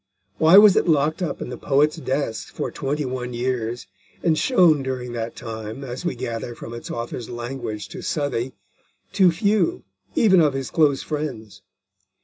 Why was it locked up in the poet's desk for twenty one years, and shown during that time, as we gather from its author's language to Southey, to few, even of his close friends?